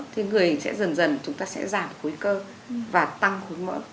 thì người sẽ dần dần chúng ta sẽ giảm khối cơ và tăng khối mỡ